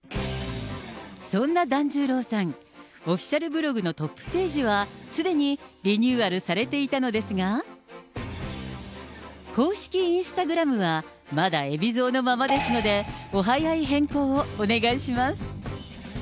そんな團十郎さん、オフィシャルブログのトップページは、すでにリニューアルされていたのですが、公式インスタグラムはまだ海老蔵のままですので、お早い変更をお願いします。